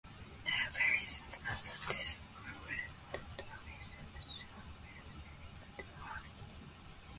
Newbery's mother disapproved of his passion, always fearing the worst.